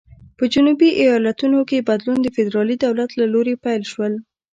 په جنوبي ایالتونو کې بدلون د فدرالي دولت له لوري پیل شول.